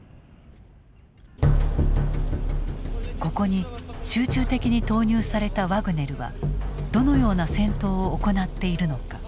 ここに集中的に投入されたワグネルはどのような戦闘を行っているのか。